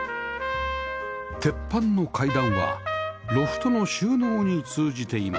鉄板の階段はロフトの収納に通じています